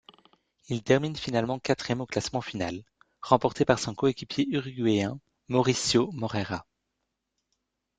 Il termine finalement quatrième au classement final, remporté par son coéquipier uruguayen Mauricio Moreira.